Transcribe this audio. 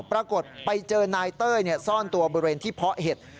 ปรากฏไปเจอนายเต้ยซ่อนตัวบริเวณที่เพาะเห็ด